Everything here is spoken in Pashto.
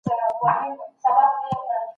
مشوره کول ډېر ګټور دي.